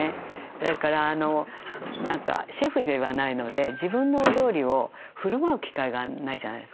それから何かシェフではないので自分のお料理をふるまう機会がないじゃないですかね。